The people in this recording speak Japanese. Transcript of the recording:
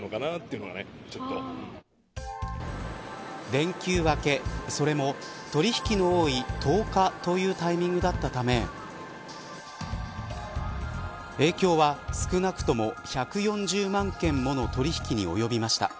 連休明け、それも取引の多い１０日というタイミングだったため影響は少なくとも１４０万件の取引に及びました。